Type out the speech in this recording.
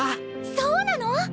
そうなの！？